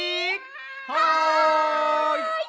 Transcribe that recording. はい！